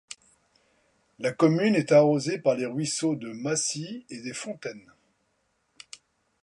La commune est arrosée par les ruisseaux de Massy et des Fontaines.